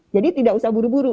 jadi tidak usah buru buru